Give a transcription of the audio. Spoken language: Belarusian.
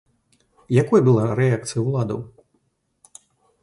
Якой была рэакцыя ўладаў?